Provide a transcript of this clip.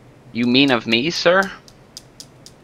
You mean of me, sir?